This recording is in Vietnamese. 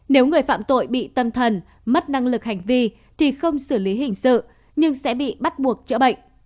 nếu người phạm tội bị tâm thần mất năng lực hành vi thì không xử lý hình sự nhưng sẽ bị bắt buộc chữa bệnh